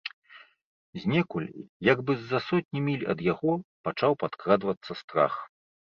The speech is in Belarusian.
Знекуль, як бы з-за сотні міль ад яго, пачаў падкрадвацца страх.